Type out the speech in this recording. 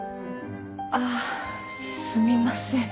あっすみません。